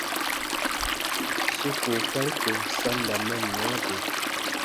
Su kookari ko sa n da mɛnnɔ de.